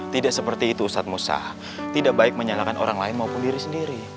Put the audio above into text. tidak seperti itu ustadz musah tidak baik menyalahkan orang lain maupun diri sendiri